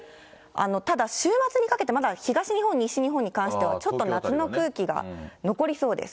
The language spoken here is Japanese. ただ、週末にかけてまだ東日本、西日本に関しては、ちょっと夏の空気が残りそうです。